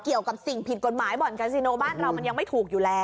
เกี่ยวกับสิ่งผิดกฎหมายบ่อนกาซิโนบ้านเรามันยังไม่ถูกอยู่แล้ว